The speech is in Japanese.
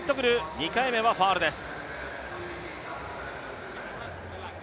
２回目はファウルです。